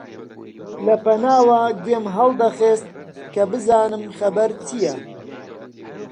لەپەناوە گوێم هەڵدەخست کە بزانم خەبەر چییە؟